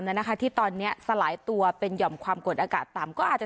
นะคะที่ตอนนี้สลายตัวเป็นหย่อมความกดอากาศต่ำก็อาจจะ